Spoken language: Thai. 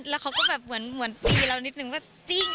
แล้วเขาก็แบบเหมือนตีเรานิดนึงว่าจริง